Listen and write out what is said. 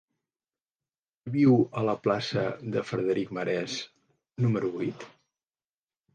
Qui viu a la plaça de Frederic Marès número vuit?